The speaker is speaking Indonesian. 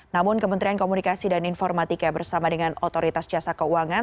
namun kementerian komunikasi dan informatika bersama dengan otoritas jasa keuangan